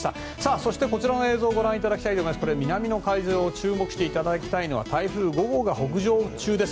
そして、こちらの映像をご覧いただきたいんですが南の海上で注目していただきたいのは台風５号が北上中です。